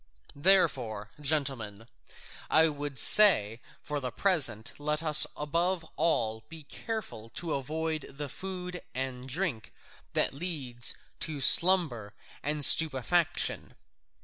Therefore, gentlemen, I would say, for the present let us above all be careful to avoid the food and drink that leads to slumber and stupefaction.